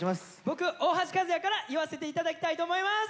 僕大橋和也から言わせて頂きたいと思います。